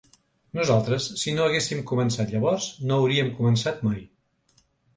Nosaltres, si no haguéssim començat llavors, no hauríem començat mai.